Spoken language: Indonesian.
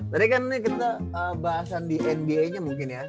tadi kan kita bahasan di nbanya mungkin ya